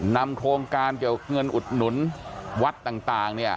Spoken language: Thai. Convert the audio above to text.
นำโครงการเกี่ยวเงินอุดหนุนวัดต่างเนี่ย